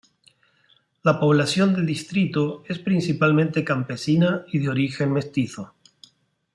La población del distrito es principalmente campesina y de origen mestizo.